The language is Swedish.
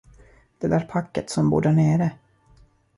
Det där packet, som bor därnere.